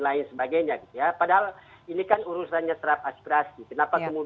kan semua masalah itu